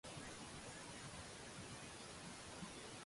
愛人以德